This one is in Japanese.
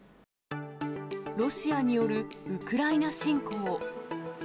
ロシアによるウクライナ侵攻。